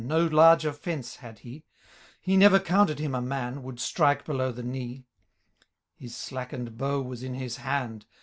No larger fence had he ; He never counted him a man. Would strike below the knee :* His slackened bow was in his hand.